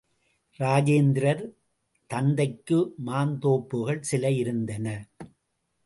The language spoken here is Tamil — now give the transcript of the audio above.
இரோஜேந்திரர் தந்தைக்கு மாந்தோப்புகள் சில இருந்தன.